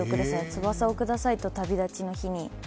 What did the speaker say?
「翼をください」と「旅立ちの日に」。